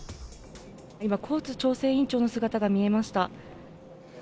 今、コーツ調整委員長の姿が見えました。